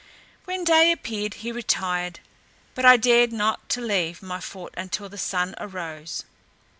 When day appeared, he retired, but I dared not to leave my fort until the sun arose.